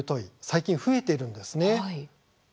最近、増えているんです。